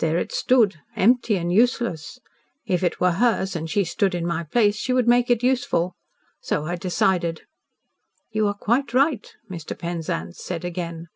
There it stood empty and useless. If it were hers, and she stood in my place, she would make it useful. So I decided." "You are quite right," Mr. Penzance said again.